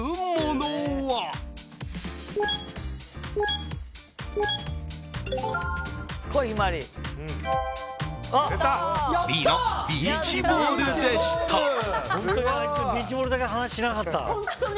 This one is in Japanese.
Ｂのビーチボールでした。